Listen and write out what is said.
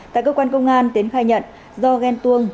tại cơ quan công an tiến khai nhận do ghen tuông